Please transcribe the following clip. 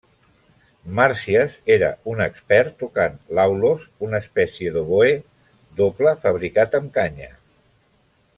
Màrsies era un expert tocant l'aulos, una espècie d'oboè doble fabricat amb canya.